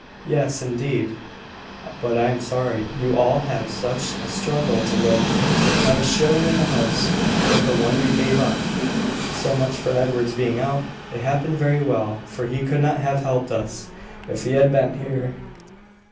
"Yes, indeed: but I am sorry you all have such a struggle to live. Not a shilling in the house but the one you gave up!" "So much for Edward's being out. It happened very well; for he could not have helped us, if he had been here.